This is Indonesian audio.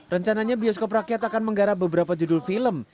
rencananya bioskop rakyat akan menggarap beberapa judul film